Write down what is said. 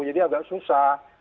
jadi agak susah